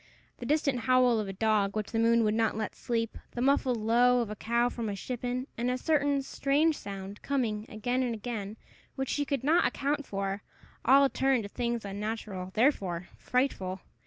The distant howl of a dog which the moon would not let sleep, the muffled low of a cow from a shippen, and a certain strange sound, coming again and again, which she could not account for, all turned to things unnatural, therefore frightful.